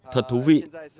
thật thú vị